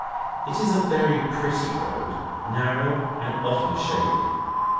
It is a very pretty road, narrow, and often shady.